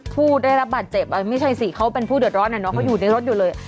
ผู้ได้รับบาดเจ็บไม่ใช่สิเขาเป็นผู้เดือดร้อนเขาอยู่ในรถอยู่เลย